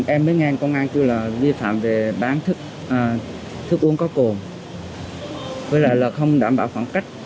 em mới ngang công an chứ là vi phạm về bán thức uống có cồn với lại là không đảm bảo khoảng cách